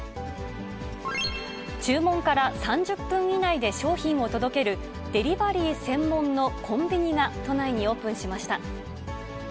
注文から３０分以内で商品を届ける、デリバリー専門のコンビニが都内にオープンしました。